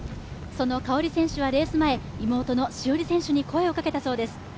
その香織選手はレース前、妹の詩織選手に声をかけたそうです。